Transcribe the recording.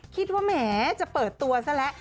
คิดว่าแหมจะเปิดตัวซะแล้ว